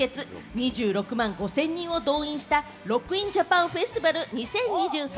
２６万５０００人を動員したＲＯＣＫＩＮＪＡＰＡＮＦＥＳＴＩＶＡＬ２０２３。